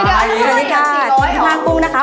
คุณคุณขอบคุณค่ะถีกพล่างกุ้งนะคะ